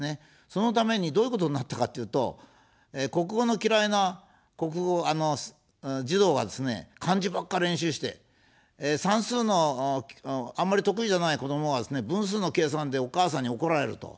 そのために、どういうことになったかというと、国語の嫌いな国語、児童はですね、漢字ばかり練習して、算数のあまり得意じゃない子どもはですね、分数の計算でお母さんに怒られると。